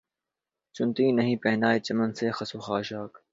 چنتی نہیں پہنائے چمن سے خس و خاشاک